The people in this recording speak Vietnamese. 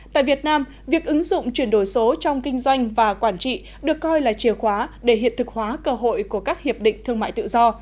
tại việt nam việc ứng dụng chuyển đổi số trong kinh doanh và quản trị được coi là chìa khóa để hiện thực hóa cơ hội của các hiệp định thương mại tự do